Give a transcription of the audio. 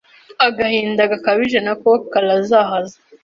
Agahinda gakabije nako karazahaza